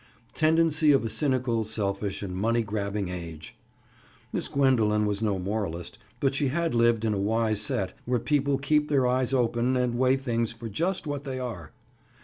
Tendency of a cynical, selfish and money grabbing age! Miss Gwendoline was no moralist but she had lived in a wise set, where people keep their eyes open and weigh things for just what they are.